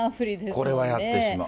これはやってしまう。